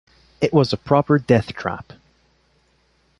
It was a proper death trap.